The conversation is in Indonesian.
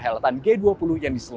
kepala kepala kepala